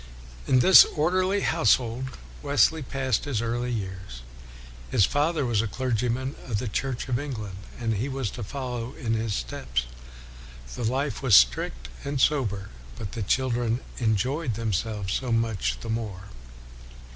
In this orderly household Wesley passed his early years. His father was a clergyman of the Church of England, and he was to follow in his steps. The life was strict and sober, but the children 298 WESLEY enjoyed themselves so much the more.